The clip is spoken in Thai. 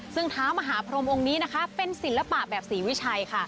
ซึ่งเท้ามหาพรมองค์นี้นะคะเป็นศิลปะแบบศรีวิชัยค่ะ